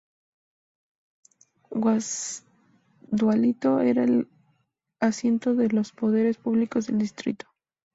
Guasdualito era el asiento de los poderes públicos del Distrito.